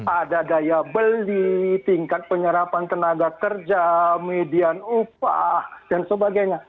ada daya beli tingkat penyerapan tenaga kerja median upah dan sebagainya